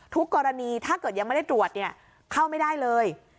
ทุกกรณีถ้าเกิดยังไม่ได้ตรวจเนี่ยเข้าไม่ได้เลย